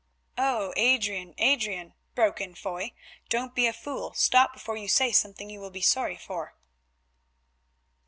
"Oh! Adrian, Adrian," broke in Foy, "don't be a fool; stop before you say something you will be sorry for."